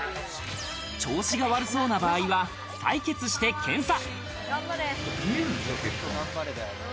調子が悪そうな場合は採血して検査。